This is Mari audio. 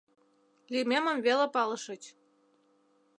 — Лӱмемым веле палышыч.